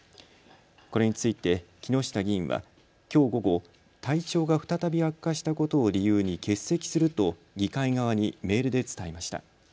これについて木下議員はきょう午後、体調が再び悪化したことを理由に欠席すると議会側にメールで伝えました。